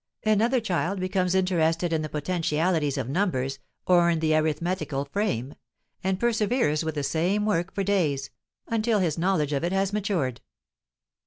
Another child becomes interested in the potentialities of numbers or in the arithmetical frame, and perseveres with the same work for days, until his knowledge of it has matured.